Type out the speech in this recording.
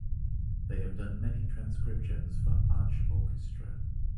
They have done many transcriptions for Arch Orchestra.